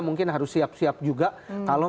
mungkin harus siap siap juga kalau